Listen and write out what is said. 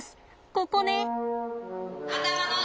ここね！